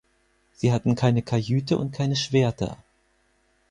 Sie hatten keine Kajüte und keine Schwerter.